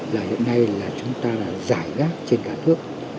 là hiện nay là chúng ta là giải gác trên cả nước